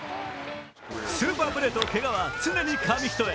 スーパープレーとけがは常に紙一重。